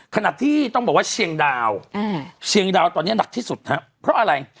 ขณะที่ต้องบอกว่าเชียงดาวเชียงดาวตอนนี้หนักที่สุดครับเพราะอะไร